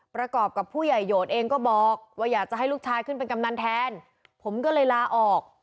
ผมก็เลยลาออก